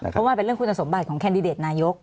เพราะว่ามันคุณธรรมสมบัติของแคนดิเดตนายก